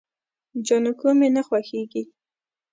جانکو مې نه خوښيږي.